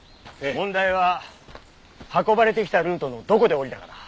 問題は運ばれてきたルートのどこで降りたかだ。